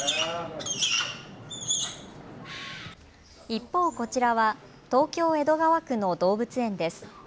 一方、こちらは東京江戸川区の動物園です。